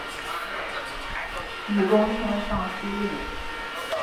以功迁尚书令。